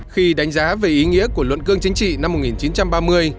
khi đánh giá về ý nghĩa của luận cương chính trị năm một nghìn chín trăm ba mươi